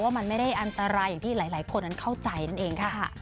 ว่ามันไม่ได้อันตรายอย่างที่หลายคนนั้นเข้าใจนั่นเองค่ะ